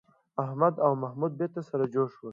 احمد او محمود بېرته سره جوړ شول